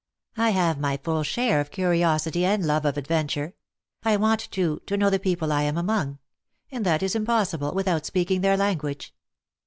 I have my full share of curiosity and love of adventure ; I want, too, to know the people I am among ; and that is impossible, without speaking their language."